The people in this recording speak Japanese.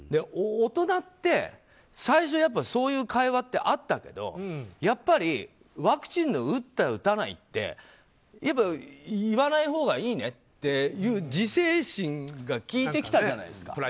大人って最初そういう会話ってあったけどやっぱりワクチンの打った、打たないって言わないほうがいいねっていう自制心がきいてきたじゃないですか？